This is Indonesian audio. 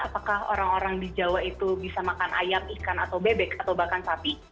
apakah orang orang di jawa itu bisa makan ayam ikan atau bebek atau bahkan sapi